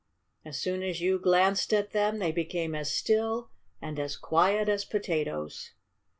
As soon as you glanced at them they became as still and as quiet as potatoes.